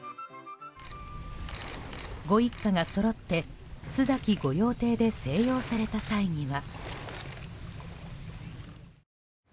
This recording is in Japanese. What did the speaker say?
ご一家がそろって須崎御用邸で静養された際には。